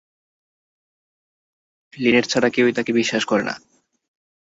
Linate ছাড়া কেউই তাকে বিশ্বাস করে না!